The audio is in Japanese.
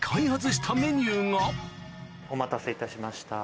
お待たせいたしました。